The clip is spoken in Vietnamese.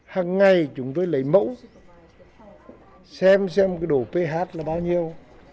hàng ngày chúng tôi lấy mẫu xem xem cái đồ ph là bao nhiêu